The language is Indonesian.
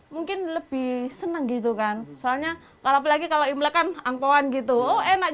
mungkin lebih senang gitu kan soalnya kalau imlek kan angpohan gitu oh enak